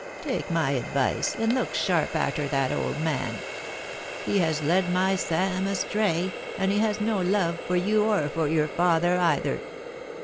Take my advice, and look sharp arter that old man. He has led my Sam astray, and he has no love for you or for your father either.'